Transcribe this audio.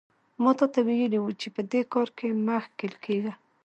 ما تاته ویلي وو چې په دې کار کې مه ښکېل کېږه.